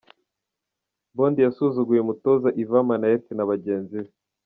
Mbondi yasuzuguye umutoza Ivan Minnaert na bagenzi be.